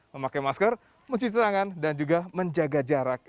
memakai masker mencuci tangan dan juga menjaga jarak